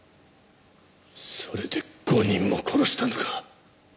それで５人も殺したのか？